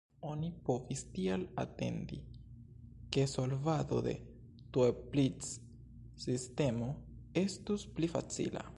Oni povis tial atendi ke solvado de Toeplitz-sistemo estus pli facila.